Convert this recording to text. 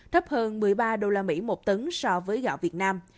thấp hơn một mươi ba usd một tấn so với gạo việt nam